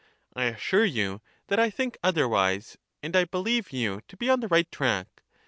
I assure you that I think otherwise, and I believe you to be on the right track.